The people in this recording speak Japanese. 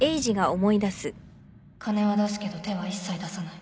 金は出すけど手は一切出さない